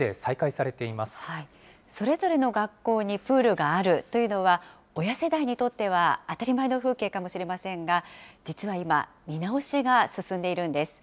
それぞれの学校にプールがあるというのは、親世代にとっては当たり前の風景かもしれませんが、実は今、見直しが進んでいるんです。